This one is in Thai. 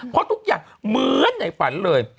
เพราะทุกอย่างเหมือนในฝันเลย